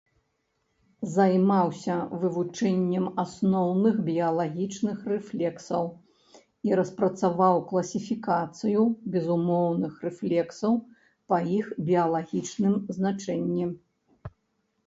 Займаўся вывучэннем асноўных біялагічных рэфлексаў і распрацаваў класіфікацыю безумоўных рэфлексаў па іх біялагічным значэнні.